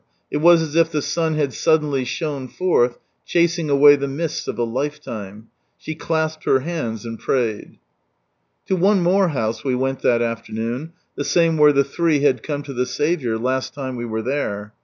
It was as if the sun had suddenly shone forth, chasing away the mists of a life time; she clasped her hands, and prayed. To one more house we went that afternoon, the same where the three had come to the Saviour last lime we were there.